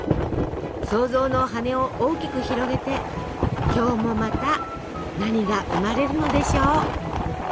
創造の羽を大きく広げて今日もまた何が生まれるのでしょう？